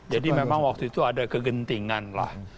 jadi memang waktu itu ada kegentingan lah